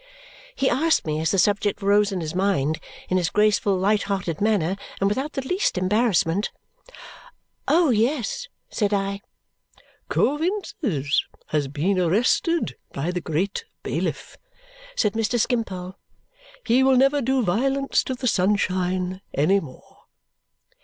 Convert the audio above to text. He asked me as the subject arose in his mind, in his graceful, light hearted manner and without the least embarrassment. "Oh, yes!" said I. "Coavinses has been arrested by the Great Bailiff," said Mr. Skimpole. "He will never do violence to the sunshine any more."